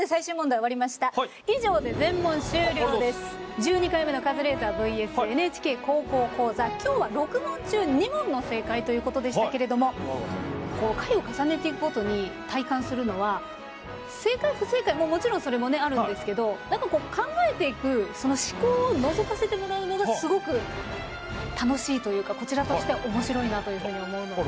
１２回目の「カズレーザーｖｓ．ＮＨＫ高校講座」今日はこう回を重ねていくごとに体感するのは正解不正解ももちろんそれもねあるんですけど何かこう考えていくその思考をのぞかせてもらうのがすごく楽しいというかこちらとしては面白いなというふうに思うので。